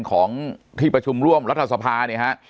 ของทีประชุมร่วมรัฐสภา